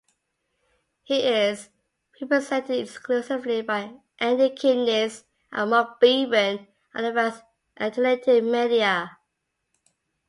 He is represented exclusively by Andy Kipnes and Mark Beaven of Advanced Alternative Media.